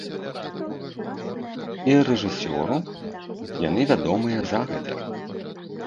І рэжысёру яны вядомыя загадзя.